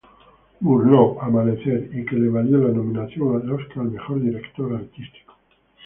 Murnau "Amanecer", y que le valió la nominación al Oscar al mejor director artístico.